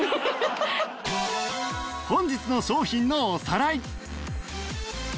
本日の商品のおさらい